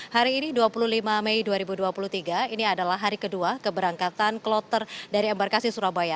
hari ini dua puluh lima mei dua ribu dua puluh tiga ini adalah hari kedua keberangkatan kloter dari embarkasi surabaya